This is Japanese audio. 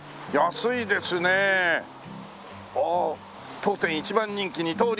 「当店一番人気二刀流」。